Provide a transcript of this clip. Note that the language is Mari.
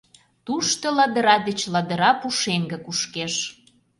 Тушто ладыра деч ладыра пушеҥге кушкеш.